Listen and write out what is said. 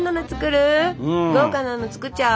豪華なの作っちゃう？